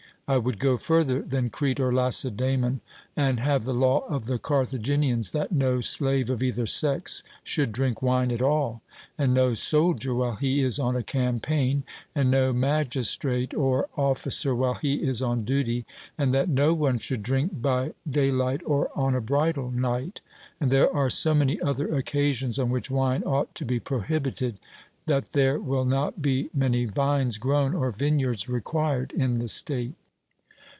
I would go further than Crete or Lacedaemon and have the law of the Carthaginians, that no slave of either sex should drink wine at all, and no soldier while he is on a campaign, and no magistrate or officer while he is on duty, and that no one should drink by daylight or on a bridal night. And there are so many other occasions on which wine ought to be prohibited, that there will not be many vines grown or vineyards required in the state.